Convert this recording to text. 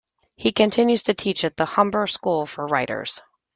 He continues to teach at the Humber School for Writers.